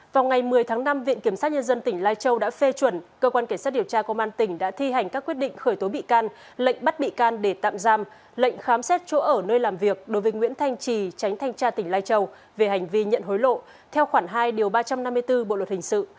vào ngày một mươi tháng năm viện kiểm sát nhân dân tỉnh lai châu đã phê chuẩn cơ quan cảnh sát điều tra công an tỉnh đã thi hành các quyết định khởi tố bị can lệnh bắt bị can để tạm giam lệnh khám xét chỗ ở nơi làm việc đối với nguyễn thanh trì tránh thanh tra tỉnh lai châu về hành vi nhận hối lộ theo khoảng hai ba trăm năm mươi bốn bộ luật hình sự